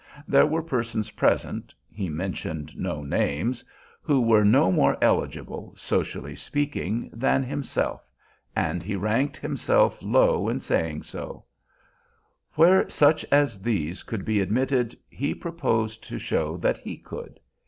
There were persons present, he mentioned no names, who were no more eligible, socially speaking, than himself, and he ranked himself low in saying so; where such as these could be admitted, he proposed to show that he could.